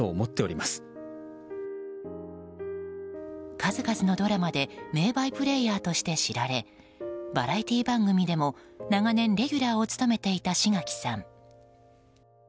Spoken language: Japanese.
数々のドラマで名バイプレイヤーとして知られバラエティー番組でも長年レギュラーを務めていた志垣さん。